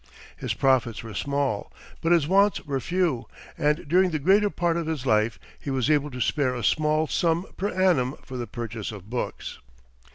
His profits were small, but his wants were few, and during the greater part of his life he was able to spare a small sum per annum for the purchase of books.